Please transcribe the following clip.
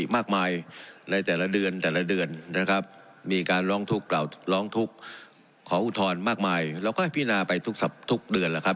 มากมายเราก็ให้พี่นาไปทุกเดือนแล้วครับ